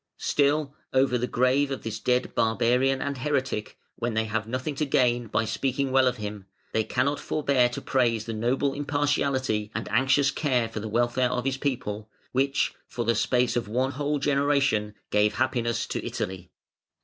Still, over the grave of this dead barbarian and heretic, when they have nothing to gain by speaking well of him, they cannot forbear to praise the noble impartiality and anxious care for the welfare of his people, which, for the space of one whole generation, gave happiness to Italy.